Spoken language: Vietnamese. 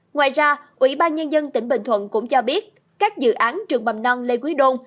ngoài ra ubnd tỉnh bình thuận cũng cho biết các dự án trường mầm non lê quý đôn